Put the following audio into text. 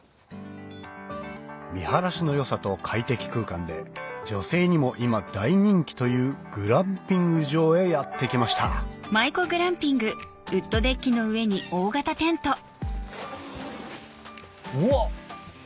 見晴らしの良さと快適空間で女性にも今大人気というグランピング場へやって来ましたうわ！